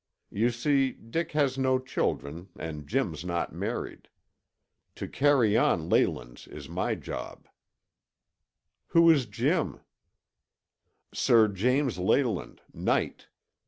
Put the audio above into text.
You see, Dick has no children and Jim's not married. To carry on Leyland's is my job." "Who is Jim?" "Sir James Leyland, knight.